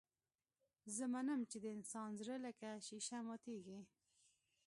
زه منم چې د انسان زړه لکه ښيښه ماتېږي.